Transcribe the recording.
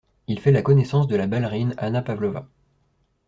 Il fait la connaissance de la ballerine Anna Pavlova.